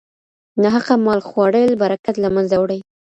ناحقه مال خوړل برکت له منځه وړي.